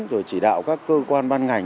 rồi chỉ đạo các cơ quan ban ngành